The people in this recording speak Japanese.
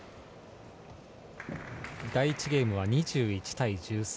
第１ゲームは２１対１３。